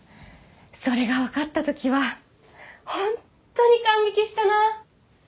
それが分かったときはホンットに感激したな。